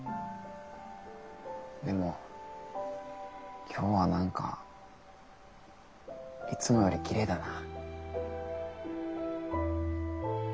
でも今日は何かいつもよりきれいだな。